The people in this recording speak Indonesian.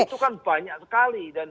itu kan banyak sekali